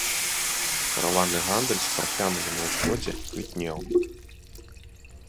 Караванны гандаль з парфянамі на ўсходзе квітнеў.